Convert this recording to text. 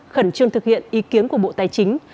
khẩn trương thực hiện ý kiến của bộ tài chính